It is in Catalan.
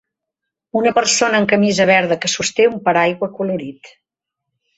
Una persona amb camisa verda que sosté un paraigua colorit.